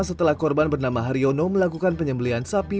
setelah korban bernama haryono melakukan penyembelian sapi